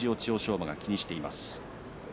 馬が気にしています。